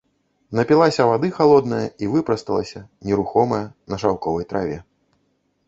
Напілася вады халоднае і выпрасталася, нерухомая, на шаўковай траве.